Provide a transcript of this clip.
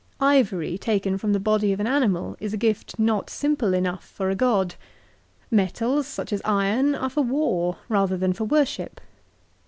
Ivory, taken from the body of an animal is a gift not simple enough for a god. Metals, such as iron, are for war rather than for worship.